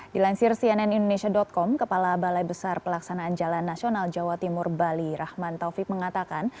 dilansir cnn indonesia com kepala balai besar pelaksanaan jalan nasional jawa timur bali rahman taufik mengatakan